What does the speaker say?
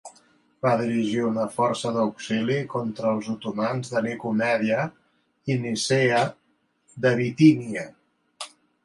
Va dirigir una força d'auxili contra els otomans de Nicomèdia i Nicea de Bitínia.